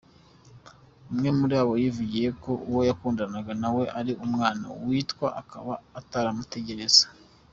Umwe muri bo yivugiye ko uwo yakundanaga nawe ari umwana bityo akaba atamutegereza.